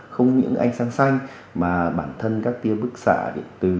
không những ánh sáng xanh mà bản thân các tia bức xạ điện tử